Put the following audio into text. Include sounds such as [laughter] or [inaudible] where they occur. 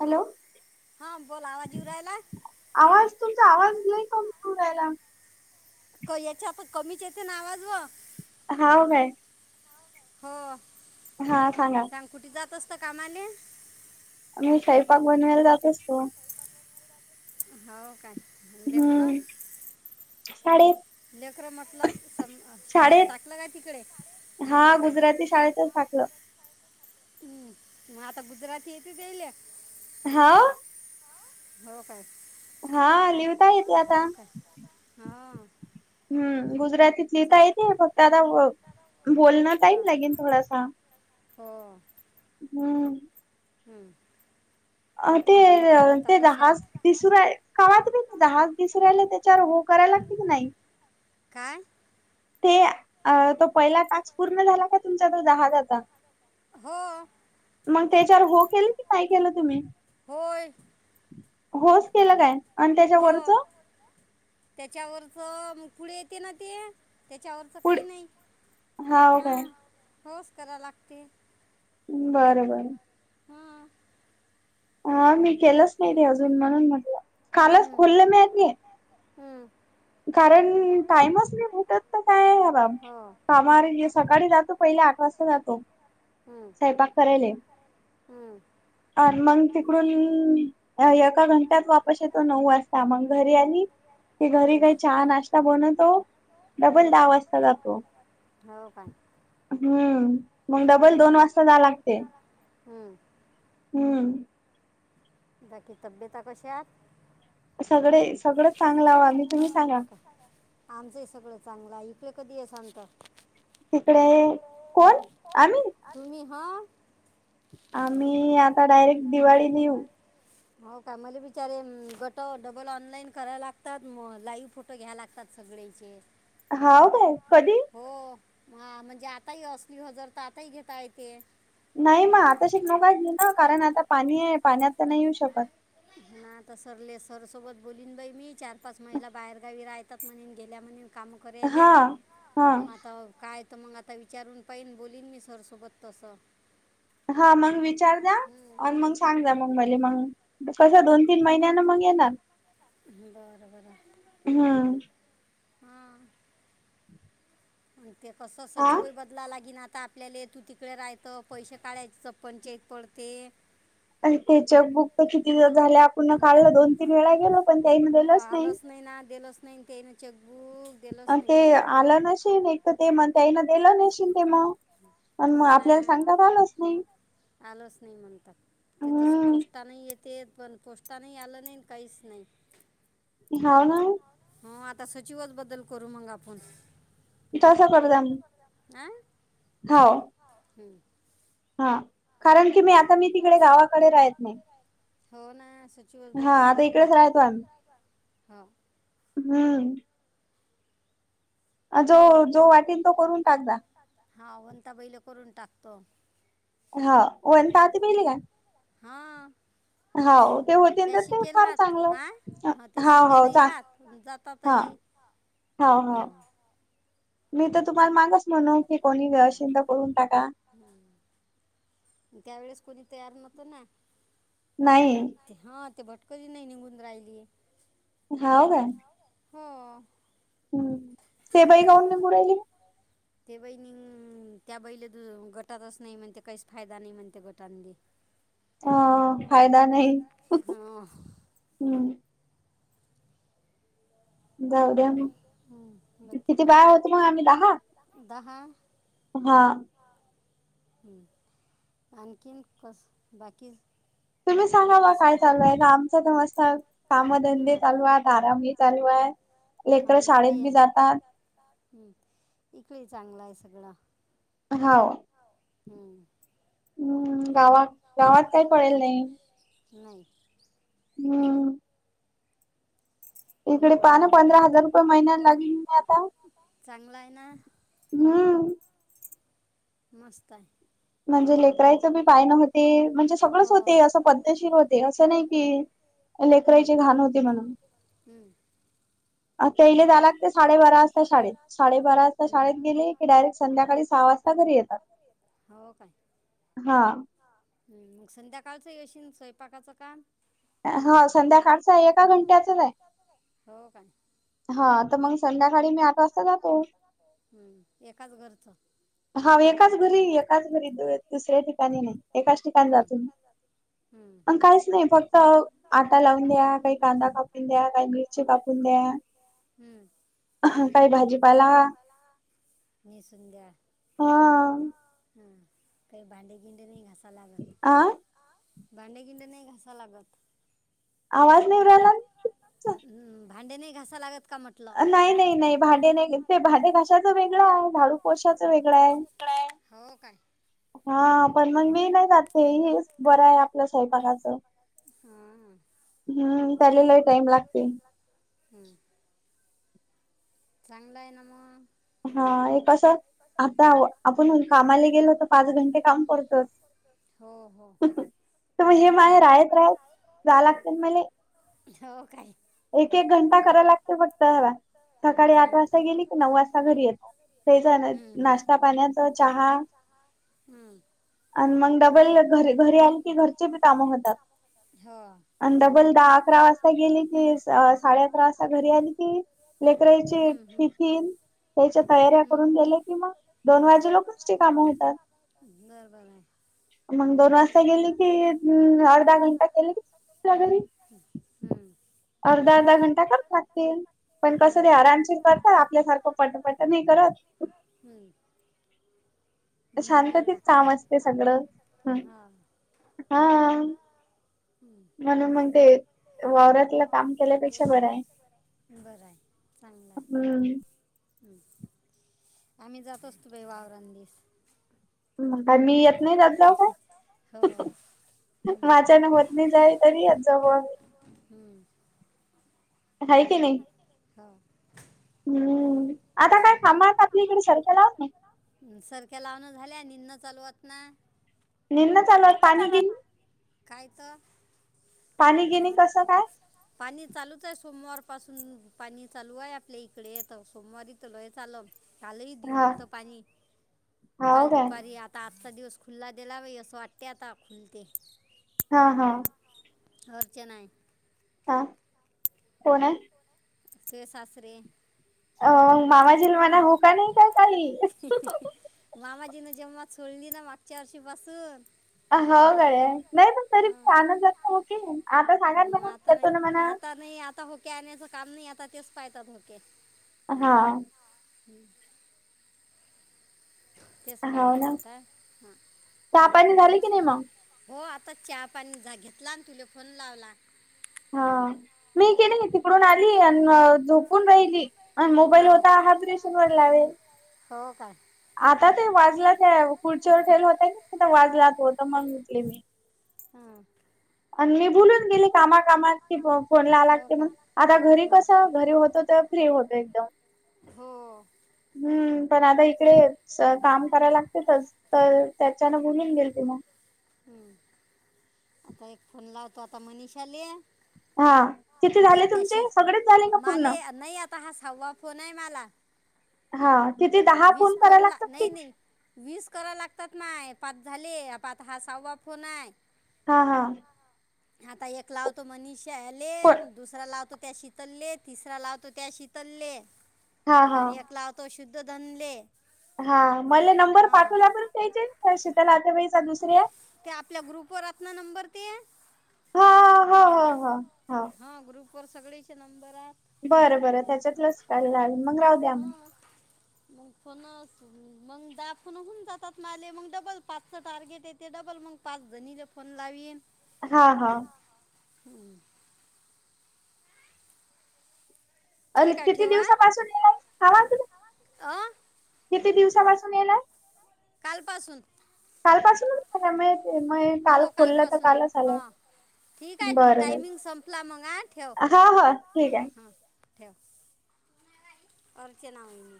Hello! हा बोला आवाज येऊन राहिला.? तुमचा आवाज नाही का येऊन राहीला याच्या आता कमीच येते ना आवाज ओ. हा म हो. हा सांगा. तस्त कामाने आम्ही साईपाक बनवायला जातच तो. हो काय देखरा. लेकर्र म्हटलं शाळेत टाकलं का तिकडे. हा गुजराती शाळेतच टाकलं. हम्म म आता गुजराती येतेल. हा. हो काय? हा लिहता येते आता हम् गुजराती तिथली तर येत फक्त आता बोलणं टाईम लागेल थोडासा. हो. हम्म. हम्म. अ ते ते. दहाच दिसू हाय का ओ ते. दहाज दिसरायला त्याच्यावर हो का? करायला लागते की नाही. काय? ते तो पहिला टास्क पूर्ण झाला का. तुमचा तो दहा हजार चा. मग त्याच्यावर हो केलं की. नाहीय केलं तुम्ही होय. होच केलं काय आणि त्याच्यावररच त्याच्यावरच पुुळे येते ना ते त्याच्यावरच काही नाही हा होच कराय लागते. बर बर. हम्म. हा मी केलंच नाही ते अजून. म्हणून म्हटलं कालच खोललं नाही ते. हम्म. कारण टाईमच नाही भेटत. काय आहे बा. कामावरे सकाळी जातो. पहिले आठ वाजता जातो. स्वयंपाक करायले मंग तिकडून एका घंट्यात वापस येतो, नऊ वाजता मग घरी आणि हम. नाश्ता बनवतो, डबल दहा वाजता जातो. हम मग डबल दोन वाजता जा लागतयं. हम. बाकी तब्येत कशी हाय? सगळे सगळं चांगलं वा मी तुम्ही सांगा? आपल कधी हे सांगता? तिकडे कोण आम्ही? हा. आम्ही आता डायरेक्ट दिवाळीला येऊ. हो का, मला विचारे गट डबल ऑनलाईन करायला लागतात, मग लाईव्ह फोटो घ्या लागतात सगळे. पैसे हाव काय कधी. हा म्हणजे आता ही असली हजर तर आताही घेता येते [unintelligible] नाही म आता शिक नोका घे ना कारण आता पाणीये, पाण्यात त नाही येऊ शकत. हम्म. आता सरले सर सोबत बोललीन बाई मी चार पाच महिला बाहेरगावी राहयतात म्हणे न गेल्या म्हणे. काम करेले म आता काय तर मग आता विचारून पाहिन बोललीन मी सरसोबत तसं. हा मग विचार जा आणि मग सांग जा मग मले मग कस दोन तीन महिन्यान मग येणार. हम्म. हा आणि ते कस सचिवय ही बदलालागील न आता आता आपल्याले तू तिकड राहयतं, पैसे काढायच पंचायत पडते. पुन्हा काढलं दोन तीन वेळा गेलो, पण त्याही देलंच नाही. नाही तेन चेक अ ते आलं नशील एक त ते म त्याईना दिलं नशील ते म पण मग आपल्याला सांगता आलंच नाही. आलोच नाही म्हणतात ते तस पोस्टा नाई येत. ते पण पोस्टा न ही आलं नाही काहीच नाही. हाव ना. हो आता सचिवच बदल करू मग आपूण. तसं करदाम. आं. हम्म. हा कारण की मी आता मी तिकडे गावाकडे राहेयत नाही. हो ना. हा आता इकडेच राहतो आंम्ही. हाव. हम्म. जो जो वाटेल तो करून टाक जा. हा वनता बाईला करून टाकतो. हा वनता आता पहीली का? हा. हाव होतीन ते काम चांगल हाव हाव चांगल हाव. हाव हाव मी तर तुम्हाला मांगच म्हण. त्यावेळेस कोणी तयार नव्हतो ना ह ते कधीनईही निंघून राहिली. हाव काय? हो. ते बाई काऊंन निंघू राहिली. ते बाई नी त्या बइई ले गटातच नाही म्हणते काहीच फायदा नाही म्हणते गटांनीले. हाव फायदा नाही. हम्म. जाऊ द्या किती बाया होत म आम्ही दहा. दहा. हा. ह आणखिन कस बाकी तुम्ही सांगा बा काय चालूये, आमचा त मस्त काम धंदे चालूयेत आराम ही चालूये. लेकर शाळेत बी जातात. ह इकळीच सगळा हाव. हम्म हम्म गावात गावात काही पळेल नाई. नाही. हम्म. इकडे पहा ना पंधरा हजार रुपये महिन्यात लागेल ना आता. हम्म मस्तं आहे. म्हणजे लेकरायचं बी पायनं होते म्हणजे सगळंच होते असं पद्दशीर होते असं नाय की हम्म हम्म आता इले जाला लागतय साडेबारा वाजता शाडेत साडेबारा वाजता शाळेत गेले की डायरेक्ट संध्याकाळी सहा वाजता घरी येतात. हा. हम् मग संध्याकाळचं यशीन स्वयंपाकाचं का हा संध्याकाळच हाय एका घंट्याचच हाय. हा त मग संध्याकाळी मी आठ वाजता जातो. हावएकाच घरी एकाच घरी दुसऱ्या ठिकाणी नाय एकाच ठिकाणी जातो मी. पण काहीच नाही फक्त आटा लावून द्या, काही कांदा कापून द्या, काही मिरची कापून द्या. हम्म. कायं भाजीपाला निसून दया. हा. हं काही भांडी गिंडी नाही घसायं लागतं. भांडी गिंडे नाही घासायं लागतं. आवाज नाय येवू राहिलानं भांडे नाही घासा लागतं. नाही नाही नाही भांडे नाही ते भांडे घाशाचं वेगळं, झाडू पोशाचं वेग ळय हा पण मगं मी नाही जात हेच बरं आहे आपलं स्वयंपाकाच. हम्म त्याले लय टाइम लागतय. चांगला आहे ना म. हा ये तसं आता आपण कामाला गेलो तर पाच घंटे काम करतोचं. त म हे माय राहयत राहयत जाये लागतं ना मले. हो कायं. एक एक घंटा कराव लागते फक्त ह्याला सकाळी आठ वाजता गेली की नऊ वाजता घरी येता ते - नाश्ता, पाण्याच, चहा आणि मग डबल घरी घरी आली की घरचे बी कामं होतात. आणि डबल दहा अकरा वाजता गेले की - अकरा साडे आकरा वाजता घरी आले की लेकरायची टिफिन - त्याच्या तयाऱ्या करून देले की मगं दोन वाजे लोकांची कामं होतात. [inaudible] मगं दोन वाजता गेली की अ अर्धा घंटा केली की, आपल्या घरी हम्म. अर्धा अर्धा घंटा करतात तेनं. पण कसं ते आरामशीर करतात आपल्यासारखं पटापट नाही करत. हम्म. शांततेत काम असते सगळं ह हा. म्हणून म्हणते ते वावरातला काम केल्यापेक्षा बरं आहे. हम्म. आम्ही जात असतो बाई वावरात मी येत नाही जातगाव काय. माझ्यान होत नाही जाई तरी जाऊ आम्ही हम्म हा हा हम्म आता काय कामात आपली इकडे सर्खल आहत ना सारख्या लावण झाल्या निन चालवत ना. नेना चाल पाणी किन. काय तर पाणी गिणे कसं काय. सोमवारपासून पाणी चालू आहे आपल्या इकडे तर सोमवारीथ लोय चाल कालही देऊ होत पाणी काल दुपारी आता असा दिवस खुल्ला दिला बाई असं वाटते आता खुलते. हा हा हरचेनय हा कोणय तुये सासरे अ मामा जिला मना हो का नाही का काही जे्मा सोडली ना मागच्या वर्षी पासून अ होळे नाही पण तरी आनंदख हो क आता सांगाय ना कोण घेतो ना मणा क्या आणण्याचं काम नाही आता तेच पाहतात धोके. हा हम्म हो ना चहा पाणी झाले की नाही मग? आता चहा पाणी घेतला आणि तुला फोन लावला. हा मी केली तिकडून आली आणि झोपून राहिली. आणि मोबाईल होता हा व्हायब्रेशन वर लावेल. हो का. आता ते वाजलात खुर्च्यावर ठेल होतय ना तेथ वाजलात होत मग उठले मी. हम्म आणि मी बुलून गेले कामा कामाात की बघ. फोनला लागते मण आता घरी कस घरी होतो तर फ्री होतो एकदम. हम्म पण आता इकडे काम कराय लागतेच तर त्याच्यान बोलून गेल ते मग. हम्म आता एक फोन लावतो आता मनीषाले. हा एकट्याशी मले नाही आता हा सहावा फोन आहे मला. हा तिथे दहा फोन करा लागतात की करा लागतात माय पात झाले हा साववा फोन आहे. हा हा आता एक लावतो मनीषले दुसरा लावतो. त्या शितल तिसरा लावतो त्या शितल आणि एक लावतो शुध [unintelligible] दले [unintelligible] हा मला नंबर पाठवला पण त्यायचे शीताल त्या बाईचा दुसर्य ते आपल्या ग्रुप वर आतना नंबर ते हा, हा, हा, हा हा ग्रुप वर सगळेच ना बरं, बरं त्याच्यात लच काल लाल मग राहू द्या मग मग फोन मग द फोन होन जातात माले मग डबल पाचच टार्गेट येते डबल मग पाच जणीचा फोन लावीन हा, हा हम्म अरे किती दिवसापासून यालाय हवा तु अ किती दिवसापासून येणार कालपासून काल पासूनच झाल्या म काल खोललं तर कालच आलंय ठीक आहे टायमिंग संपला मग आ ठेव हा ठेव अर्चना नाव म